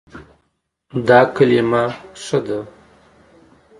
دا کلمه ښه ده